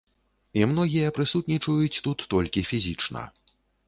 І многія прысутнічаюць тут толькі фізічна.